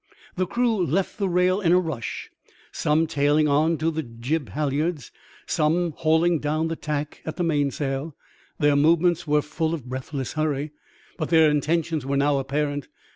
The crew left the rail in a rush, some tailing on to the jib halliards, some hauling down the tack of the mainsail. Their movements were full of breathless hurry, but their intentions were now apparent.